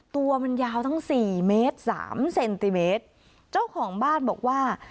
ตัวมันยาวทั้งสี่เมตรสามเซนติเมตรเจ้าของบ้านบอกว่า